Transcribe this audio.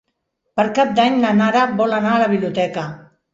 Per Cap d'Any na Nara vol anar a la biblioteca.